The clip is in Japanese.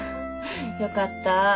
よかった。